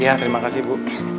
iya terima kasih bu